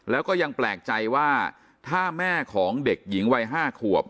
แล้วก็ยังแปลกใจว่าถ้าแม่ของเด็กหญิงวัย๕ขวบ